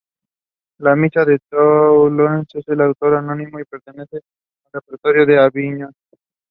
Hall began making music when he was in high school.